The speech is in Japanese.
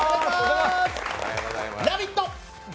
「ラヴィット！」